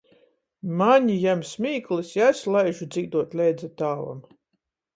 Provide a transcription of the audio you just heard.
Mani jam smīklys, i es laižu dzīduot leidza tāvam.